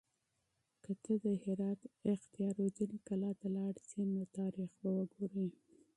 که ته د هرات اختیار الدین کلا ته لاړ شې نو تاریخ به وګورې.